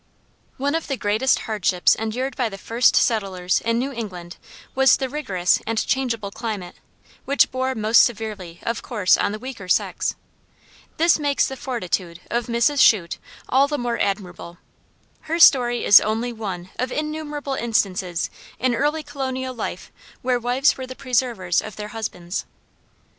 One of the greatest hardships endured by the first settlers in New England was the rigorous and changeable climate, which bore most severely, of course, on the weaker sex. This makes the fortitude of Mrs. Shute all the more admirable. Her story is only one of innumerable instances in early colonial life where wives were the preservers of their husbands.